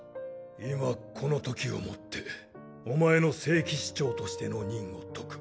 今このときをもってお前の聖騎士長としての任を解く。